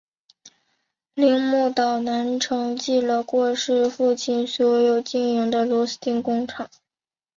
铃木岛男承继了过世的父亲所经营的螺钉工厂。